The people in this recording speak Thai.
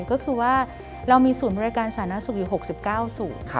ก็คือว่าเรามีศูนย์บริการศาลนักศูนย์อยู่๖๙ศูนย์